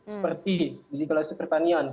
seperti di kelas pertanian